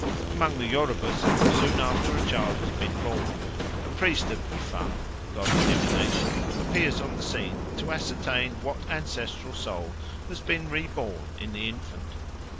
Among the Yorubas, soon after a child has been born, a priest of Ifa, the god of divination, appears on the scene to ascertain what ancestral soul has been reborn in the infant.